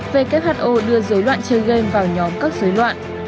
who đưa dối loạn chơi game vào nhóm các dối loạn